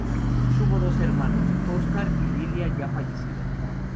Tuvo dos hermanos: Óscar y Laila ya fallecida.